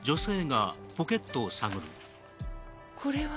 これは？